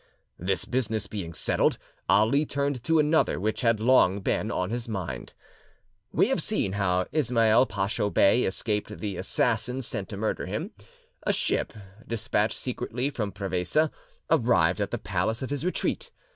This business being settled, Ali turned to another which had long been on his mind. We have seen how Ismail Pacho Bey escaped the assassins sent to murder him. A ship, despatched secretly from Prevesa, arrived at the place of his retreat.